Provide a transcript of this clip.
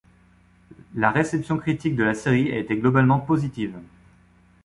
La réception critique de la série a été globalement positive.